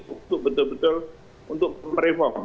untuk betul betul untuk mereform